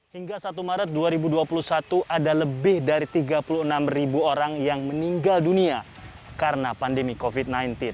hingga satu maret dua ribu dua puluh satu ada lebih dari tiga puluh enam ribu orang yang meninggal dunia karena pandemi covid sembilan belas